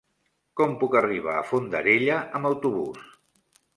Com puc arribar a Fondarella amb autobús?